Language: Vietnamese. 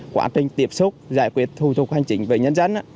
quá trình tiếp xúc giải quyết thu thục hành trình về nhân dân